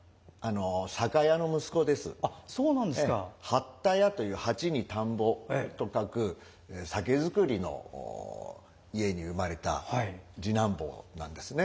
八田屋という八に田んぼと書く酒造りの家に生まれた次男坊なんですね。